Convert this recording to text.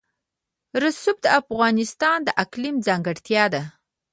رسوب د افغانستان د اقلیم ځانګړتیا ده.